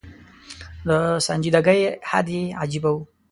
د سنجیدګۍ حد یې عجېبه و.